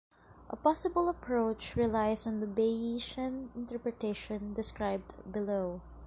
A possible approach relies on the Bayesian interpretation described below.